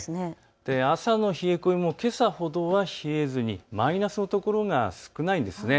朝の冷え込みもけさほどは冷えずマイナスの所が少ないです。